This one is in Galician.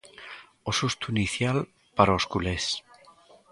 O susto inicial, para os culés.